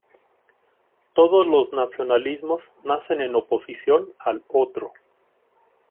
Todos los nacionalismos nacen en oposición al "otro".